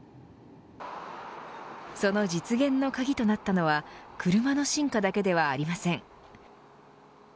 その実現の鍵となったのは車の進化だけではありません。